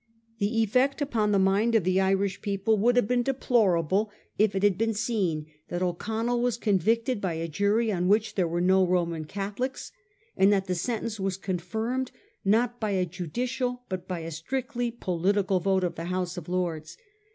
The effect upon the mind of the Irish people would have been deplorable if it had been seen that O'Connell was convicted by a jury on which there were no Koman Catholics, and that the sentence was confirmed, not by a judicial, but by a strictly political vote of the House of Lords.